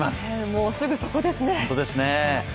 もうすぐそこですね。